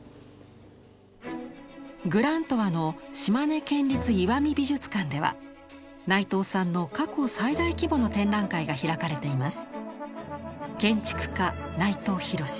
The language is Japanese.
グラントワの島根県立石見美術館では内藤さんの過去最大規模の展覧会が開かれています。